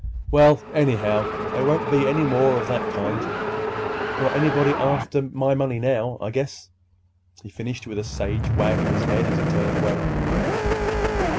Well, anyhow, there won't be any more of that kind, nor anybody after my money now, I guess," he finished with a sage wag of his head as he turned away.